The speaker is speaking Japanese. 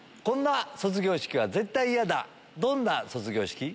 こんな卒業式は絶対嫌だどんな卒業式？